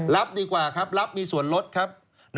รับดีกว่าครับรับมีส่วนลดครับ